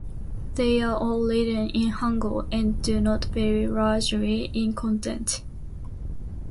They are all written in Hangul and do not vary largely in content.